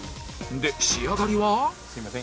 で仕上がりは